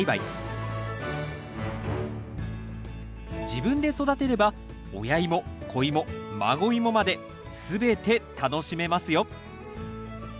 自分で育てれば親イモ子イモ孫イモまで全て楽しめますよ。